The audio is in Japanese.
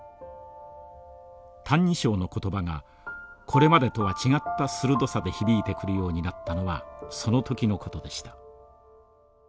「歎異抄」の言葉がこれまでとは違った鋭さで響いてくるようになったのはそのときのことでした。